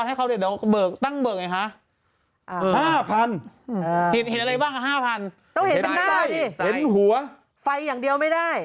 ไฟอย่างเดียวไม่ได้